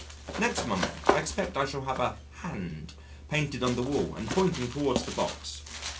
Next month, I expect I shall have a "hand" painted on the wall and pointing towards the box.